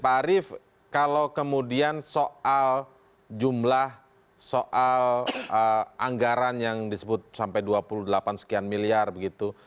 pak arief kalau kemudian soal jumlah soal anggaran yang disebut sampai dua puluh delapan sekian miliar begitu